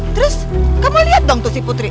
terus kamu lihat dong tuh si putri